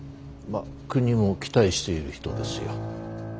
まあ国も期待している人ですよ。